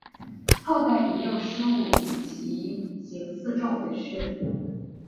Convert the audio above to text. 后代以右师戊以其行次仲为氏。